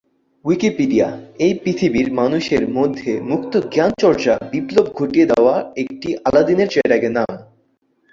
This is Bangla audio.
উইকিপিডিয়া — এই পৃথিবীর মানুষের মধ্যে মুক্ত জ্ঞানচর্চার বিপ্লব ঘটিয়ে দেয়া একটি আলাদিনের চেরাগের নাম।